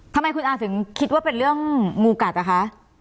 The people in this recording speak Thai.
ทำไมคุณอาถึงคิดว่าเป็นเรื่องงูกัดอ่ะคะ